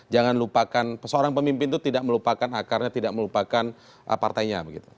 jangan lupakan seorang pemimpin itu tidak melupakan akarnya tidak melupakan partainya